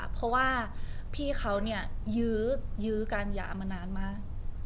เพราะว่าพี่เขาเนี่ยยื้อการยามานานมาก